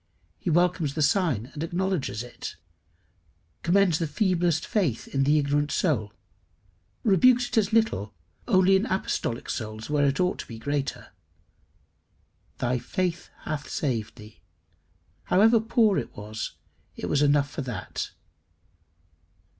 He welcomes the sign, and acknowledges it; commends the feeblest faith in the ignorant soul, rebukes it as little only in apostolic souls where it ought to be greater. "Thy faith hath saved thee." However poor it was, it was enough for that.